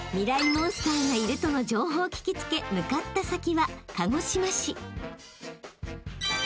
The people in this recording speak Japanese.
モンスターがいるとの情報を聞き付け向かった先は］